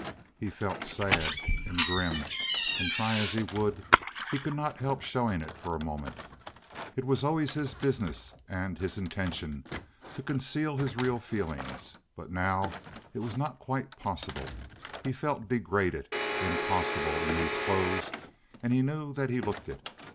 He felt sad and grim, and, try as he would—he could not help showing it for a moment. It was always his business and his intention to conceal his real feelings, but now it was not quite possible. He felt degraded, impossible, in these clothes, and he knew that he looked it.